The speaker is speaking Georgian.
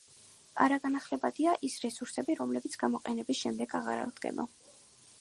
არაგანახლებადია ის რესურსები რომლებიც გამოყენების შემდეგ აღარ აღდგება